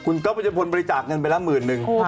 คุณก๊อปบัจจัยพนธ์บริจาคเงินไปละหมื่นนึง